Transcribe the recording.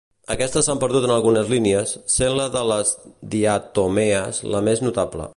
Aquestes s'han perdut en algunes línies, sent la de les diatomees la més notable.